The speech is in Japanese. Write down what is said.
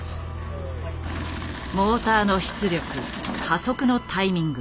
モーターの出力加速のタイミング